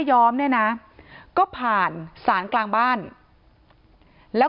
ที่มีข่าวเรื่องน้องหายตัว